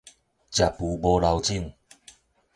食匏無留種